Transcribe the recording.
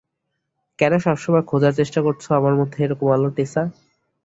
কেন সবসময় খোঁজার চেষ্টা করছো আমার মধ্যে একরকম আলো, টেসা?